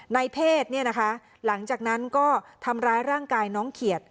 ในเพศเนี่ยนะคะหลังจากนั้นก็ทำร้ายร่างกายน้องเขียด